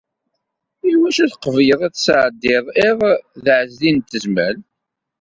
Iwacu tqebleḍ ad tesɛeddiḍ iḍ d Ɛezdin n Tezmalt?